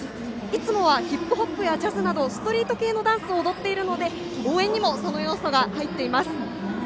いつもはヒップホップやジャズなどストリート系のダンスを踊っているので、応援にもその要素が入っています。